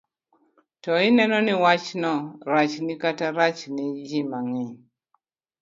to ineno ni wachno rachni kata rachne ji mang'eny.